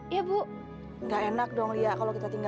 jangan muakin jangan muakin